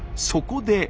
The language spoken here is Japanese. そこで。